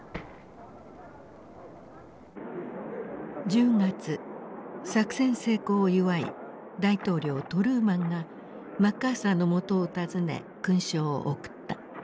１０月作戦成功を祝い大統領トルーマンがマッカーサーのもとを訪ね勲章を贈った。